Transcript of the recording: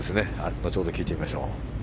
後ほど聞いてみましょう。